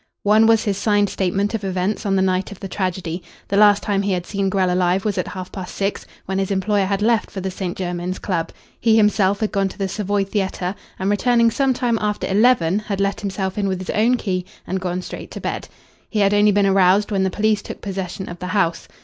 One was his signed statement of events on the night of the tragedy. The last time he had seen Grell alive was at half past six, when his employer had left for the St. Jermyn's Club. He himself had gone to the Savoy Theatre, and, returning some time after eleven, had let himself in with his own key and gone straight to bed. He had only been aroused when the police took possession of the house.